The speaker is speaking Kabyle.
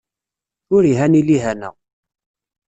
Ur ihan i lihana.